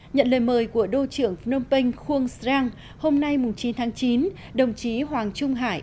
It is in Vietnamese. nhận lời mời của đô trưởng phnom penh khuôn shang hôm nay chín tháng chín đồng chí hoàng trung hải